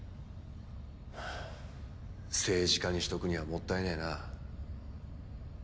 政治家にしておくにはもったいねえな。